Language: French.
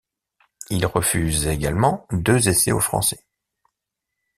Il refuse également deux essais aux Français.